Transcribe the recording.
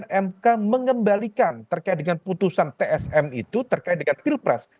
bagaimana mk mengembalikan terkait dengan putusan tsm itu terkait dengan pilpres